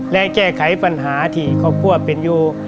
และแก้ไขปัญหาที่ครอบครัวเป็นอยู่